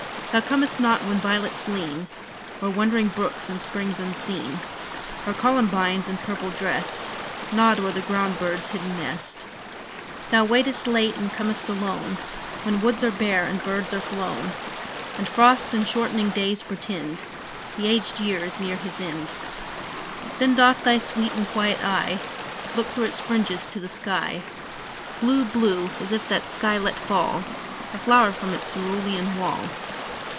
Thou comest not when violets lean O'er wandering brooks and springs unseen, Or columbines, in purple dressed, Nod o'er the ground bird's hidden nest. Thou waitest late and com'st alone, When woods are bare and birds are flown, And frosts and shortening days portend The aged year is near his end. Then doth thy sweet and quiet eye Look through its fringes to the sky, Blue blue as if that sky let fall A flower from its cerulean wall.